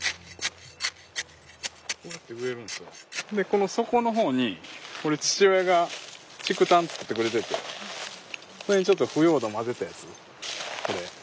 この底の方に父親が竹炭作ってくれててそれにちょっと腐葉土混ぜたやつこれ。